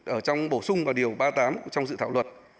ở trong bổ sung và điều ba mươi tám trong dự thảo luật